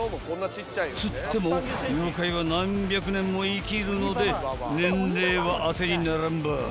［っつっても妖怪は何百年も生きるので年齢はあてにならんばい］